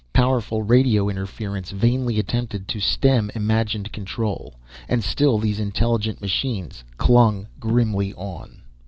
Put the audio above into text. Powerful radio interference vainly attempted to stem imagined control, and still these intelligent machines clung grimly on.